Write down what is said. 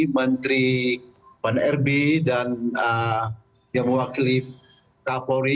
menteri pan rb dan yang mewakili kapolri